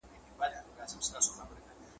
اور د کوه طور سمه، حق سمه، منصور سمه ,